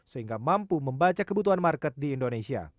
sehingga mampu membaca kebutuhan market di indonesia